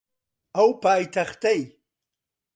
ئەو پایتەختەی